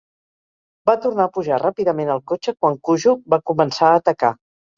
Va tornar a pujar ràpidament al cotxe quan Cujo va començar a atacar.